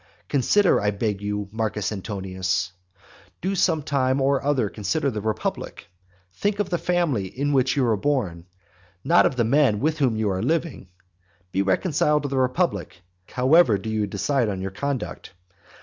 Consider, I beg you, Marcus Antonius, do some time or other consider the republic: think of the family of which you are born, not of the men with whom you are living. Be reconciled to the republic. However, do you decide on your conduct.